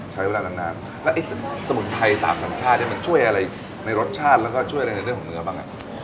ใช้เวลานานแล้วไอ้สมุนไพรสามสัญชาติเนี่ยมันช่วยอะไรในรสชาติแล้วก็ช่วยอะไรในเรื่องของเนื้อบ้างอ่ะ